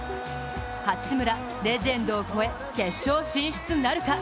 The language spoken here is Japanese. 八村、レジェンドを超え、決勝進出なるか。